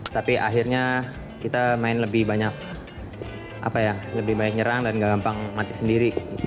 tapi akhirnya kita main lebih banyak lebih banyak nyerang dan gak gampang mati sendiri